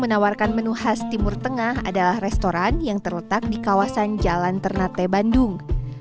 menawarkan menu khas timur tengah adalah restoran yang terletak di kawasan jalan ternate bandung